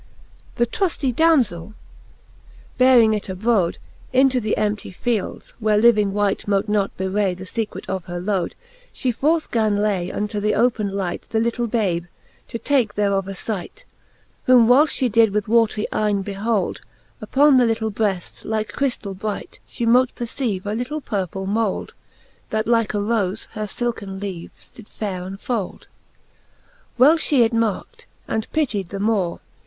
VII. The truftie damzell bearing it abrode Into the emptie fields, where living wight Mote not bewray the fecret of her lode. She forth gan lay unto the open light The litle babe, to take thereof a fight. Whom whylefl fhe did with watrie eyne behold. Upon the litle breft, like chriftall bright. She mote perceive a litle purple mold. That like a rofe her filken leaves did faire unfold. VIII. Well fhe it markt, and pittied the more.